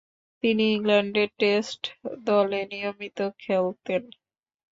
তিনি ইংল্যান্ডের টেস্ট দলে নিয়মিত খেলতেন।